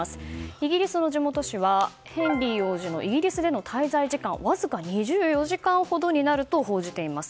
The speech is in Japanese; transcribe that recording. イギリスの地元紙はヘンリー王子のイギリスでの滞在時間はわずか２４時間ほどになると報じています。